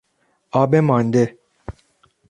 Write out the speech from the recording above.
آب مانده